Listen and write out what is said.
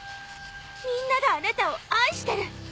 みんながあなたを愛してる。